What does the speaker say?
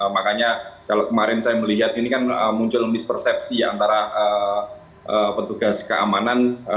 makanya kalau kemarin saya melihat ini kan muncul mispersepsi antara petugas keamanan